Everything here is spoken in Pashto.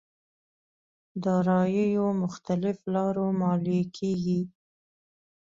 داراییو مختلف لارو ماليې کېږي.